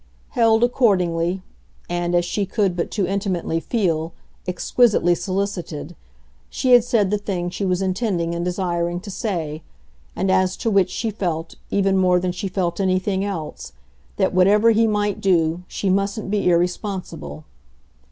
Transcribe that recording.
Held, accordingly, and, as she could but too intimately feel, exquisitely solicited, she had said the thing she was intending and desiring to say, and as to which she felt, even more than she felt anything else, that whatever he might do she mustn't be irresponsible.